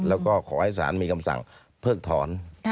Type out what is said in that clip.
แล้วก็ขอให้ศาลมีคำสั่งเพิกถอน